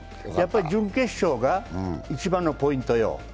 準決勝が一番のポイントよ。